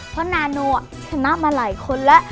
เพราะนาโนชนะมาหลายคนแล้ว